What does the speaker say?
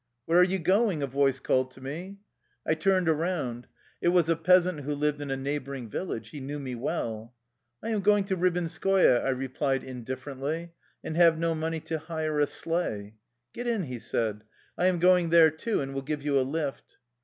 " Where are you going? " a voice called to me. I turned around. It was a peasant who lived in a neighboring village. He knew me well. " I am going to Ribinskoye,'' I replied indif ferently, ^^ and have no money to hire a sleigh.'' " Get in," he said. " I am going there, too, and will give you a lift."